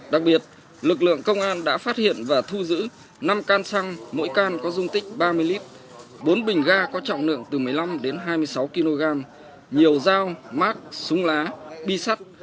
đặc biệt lực lượng công an đã phát hiện và thu giữ năm can xăng mỗi can có dung tích ba mươi lít bốn bình ga có trọng lượng từ một mươi năm đến hai mươi sáu kg nhiều dao mát súng lá bi sắt